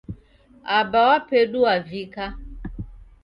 Aba wa pedu wavika